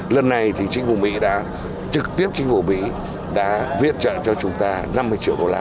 lần này thì chính phủ mỹ đã trực tiếp chính phủ mỹ đã viện trợ cho chúng ta năm mươi triệu đô la